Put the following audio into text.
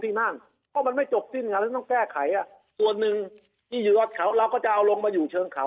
นั่นเพราะมันไม่จบสิ้นเราต้องแก้ไขอ่ะส่วนหนึ่งที่อยู่วัดเขาเราก็จะเอาลงมาอยู่เชิงเขา